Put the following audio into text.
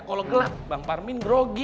kalau gelap bang parmin grogi